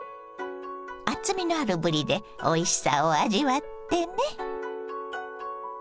厚みのあるぶりでおいしさを味わってね。